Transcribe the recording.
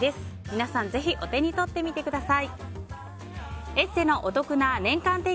皆さんぜひお手に取ってみてください。